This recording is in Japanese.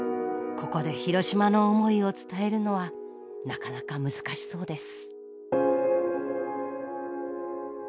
ここで広島の思いを伝えるのはなかなか難しそうです。